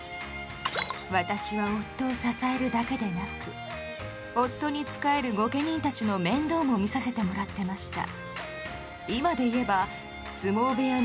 私は夫を支えるだけでなく夫に仕える御家人たちの面倒も見させてもらってました。